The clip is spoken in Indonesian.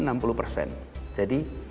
jadi selalu segitu